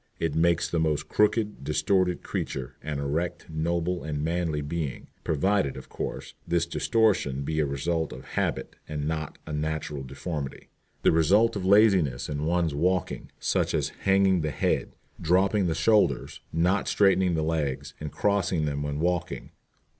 It makes the most crooked, distorted creature an erect, noble, and manly being, provided, of course, this distortion be a result of habit and not a natural deformity, the result of laziness in one's walking, such as hanging the head, dropping the shoulders, not straightening the legs, and crossing them when walking.